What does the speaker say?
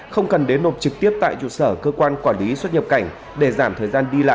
không cần đến nộp trực tiếp tại trụ sở cơ quan quản lý xuất nhập cảnh để giảm thời gian đi lại và chờ đợi